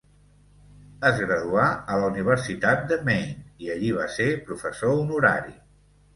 Es graduà a la Universitat de Maine, i allí va ser professor honorari.